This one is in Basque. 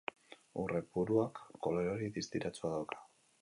Urre puruak kolore hori distiratsua dauka.